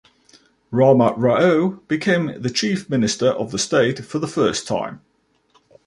Rama Rao became the chief minister of the state for the first time.